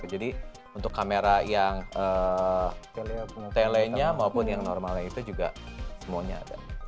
jadi untuk kamera yang tele nya maupun yang normal nya itu juga semuanya ada